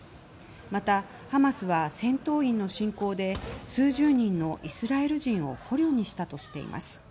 また、ハマスは戦闘員の侵攻で数十人のイスラエル人を捕虜にしたとしています。